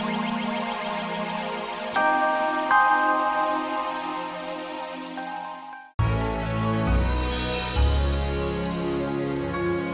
sebenarnya amas yang barusan terjadi